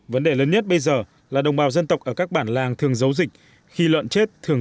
vấn đề lớn nhất bây giờ là đồng bào dân tộc ở các bản làng thường giấu dịch khi lợn chết thường